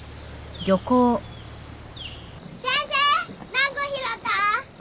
何個拾った？